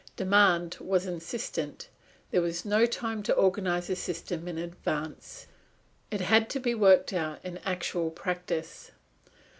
Demand was insistent. There was no time to organise a system in advance. It had to be worked out in actual practice.